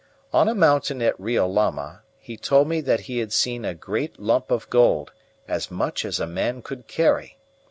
On a mountain at Riolama he told me that he had seen a great lump of gold, as much as a man could carry.